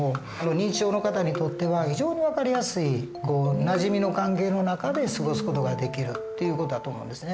認知症の方にとっては非常に分かりやすいなじみの関係の中で過ごす事ができるっていう事だと思うんですね。